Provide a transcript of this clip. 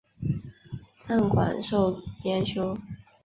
散馆授编修。